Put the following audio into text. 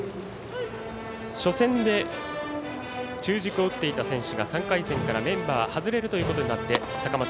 初戦で中軸を打っていた選手が３回戦からメンバーを外れることになって高松